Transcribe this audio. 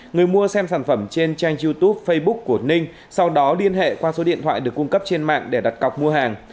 người mua xem sản phẩm trên trang youtube facebook của ninh sau đó liên hệ qua số điện thoại được cung cấp trên mạng để đặt cọc mua hàng